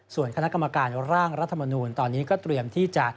ส่วนคณะกรรมการร่างรัฐมนูลตอนนี้ก็เตรียมที่จะ